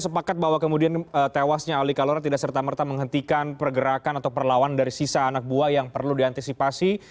sepakat bahwa kemudian tewasnya ali kalora tidak serta merta menghentikan pergerakan atau perlawan dari sisa anak buah yang perlu diantisipasi